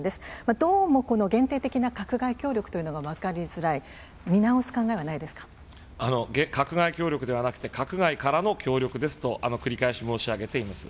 どうも、この限定的な閣外協力というのが分かりづらい、見直す考えはない閣外協力ではなくて、閣外からの協力ですと繰り返し申し上げています。